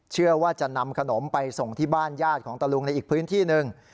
เชื่อว่าจะนำขนมไปส่งที่บ้านญาติของตะลุงในอีกพื้นที่หนึ่ง